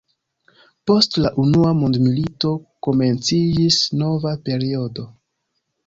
Post la unua mondmilito komenciĝis nova periodo.